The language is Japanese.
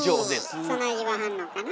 そない言わはんのかな。